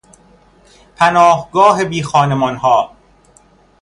پناهگاه بیخانمانها